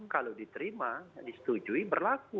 kalau diterima disetujui berlaku